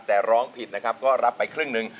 แต่ร้องผิดนะครับก็รับไปครึ่งหนึ่ง